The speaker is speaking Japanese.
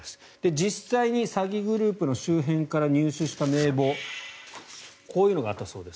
実際に詐欺グループの周辺から入手した名簿こういうのがあったそうです。